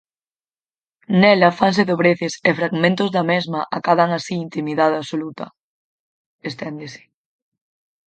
"Nela fanse dobreces e fragmentos da mesma acadan así intimidade absoluta", esténdese.